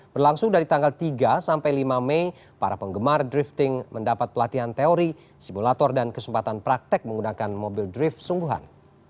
berlangsung dari tanggal tiga sampai lima mei para penggemar drifting mendapat pelatihan teori simulator dan kesempatan praktek menggunakan mobil drift sungguhan